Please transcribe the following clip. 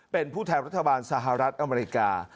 เป็นผู้แทนรัฐบาลสหรัฐอเมริกา